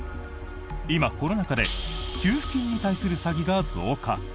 今、コロナ禍で給付金に対する詐欺が増加。